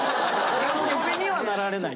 お喜びにはなられない。